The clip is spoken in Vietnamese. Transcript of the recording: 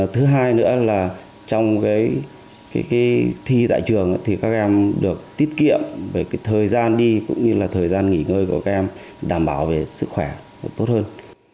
thứ hai nữa là trong thi tại trường thì các em được tiết kiệm về thời gian đi cũng như là thời gian nghỉ ngơi của các em đảm bảo về sức khỏe tốt hơn